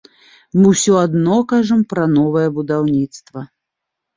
Мы ўсё адно кажам пра новае будаўніцтва.